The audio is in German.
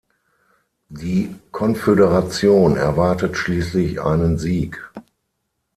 Die Konföderation erwartet schließlich einen Sieg.